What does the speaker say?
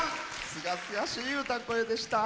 すがすがしい歌声でした。